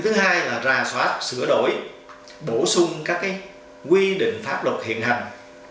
thứ hai là rà soát sửa đổi bổ sung các quy định pháp luật hiện hành